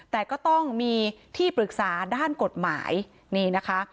แต่ก็ต้องมีที่ปรึกษาด้านกฎหมายนี่นะคะ